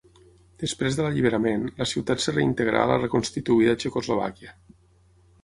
Després de l'alliberament, la ciutat es reintegrà a la reconstituïda Txecoslovàquia.